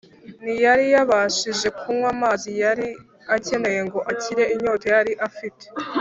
Ntiyari yabashije kunywa amazi yari akeneye ngo akire inyota yari afite